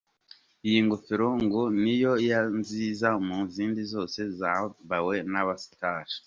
Iyi ngofero ngo niyo ya nziza mu zindi zose zambawe n'abastars.